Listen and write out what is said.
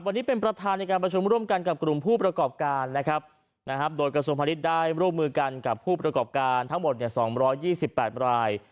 วันนี้เป็นประธานในการประชุมร่วมกันกับกลุ่มผู้ประกอบการนะครับโดยกระทรวงพาณิชย์ได้ร่วมมือกันกับผู้ประกอบการทั้งหมด๒๒๘ราย